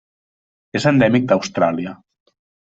És endèmic d'Austràlia: